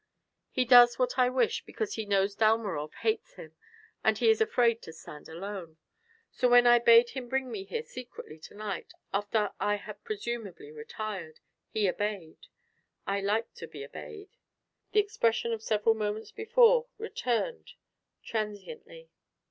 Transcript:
He does what I wish because he knows Dalmorov hates him and he is afraid to stand alone. So when I bade him bring me here secretly to night, after I had presumably retired, he obeyed. I like to be obeyed." The expression of several moments before returned transiently.